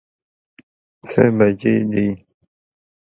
څه بجې دي؟